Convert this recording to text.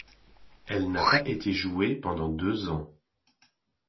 Elle n'a pas été jouée pendant deux ans.